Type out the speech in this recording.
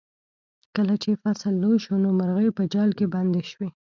کله چې فصل لوی شو نو مرغۍ په جال کې بندې شوې.